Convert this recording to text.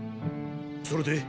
それで？